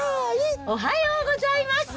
おはようございます。